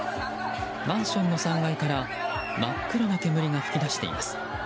マンションの３階から真っ黒な煙が噴き出しています。